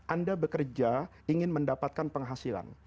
anda bekerja ingin mendapatkan penghasilan